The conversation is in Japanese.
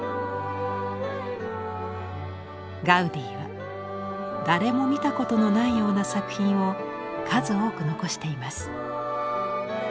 ガウディは誰も見たことのないような作品を数多く残しています。